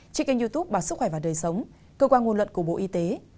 trên kênh youtube bà sức khỏe và đời sống cơ quan nguồn luận của bộ y tế